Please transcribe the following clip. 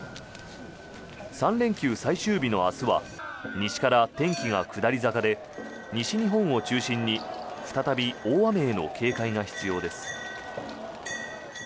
３連休最終日の明日は西から天気が下り坂で西日本を中心に再び大雨への警戒が必要です。